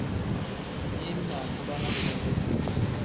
Mili ni alifa ni kudum.